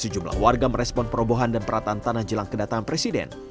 sejumlah warga merespon perobohan dan perataan tanah jelang kedatangan presiden